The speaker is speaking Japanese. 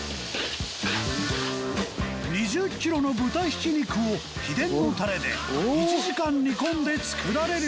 ２０キロの豚ひき肉を秘伝のタレで１時間煮込んで作られるという